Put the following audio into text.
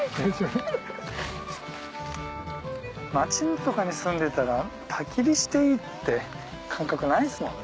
町とかに住んでたらたき火していいって感覚ないですもんね。